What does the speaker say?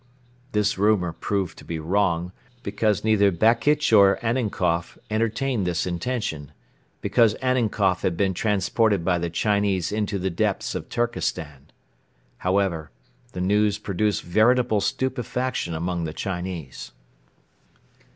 This rumour proved to be wrong because neither Bakitch nor Annenkoff entertained this intention, because Annenkoff had been transported by the Chinese into the Depths of Turkestan. However, the news produced veritable stupefaction among the Chinese.